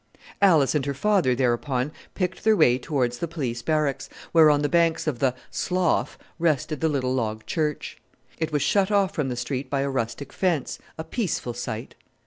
Alice and her father, thereupon, picked their way towards the Police Barracks, where, on the banks of the "slough," rested the little log church. It was shut off from the street by a rustic fence a peaceful sight.